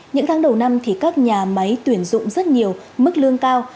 những tháng đầu năm thì các nhà máy tuyển dụng rất nhiều mức lương cao